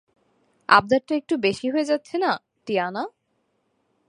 আবদারটা একটু বেশি হয়ে যাচ্ছে না, টিয়ানা?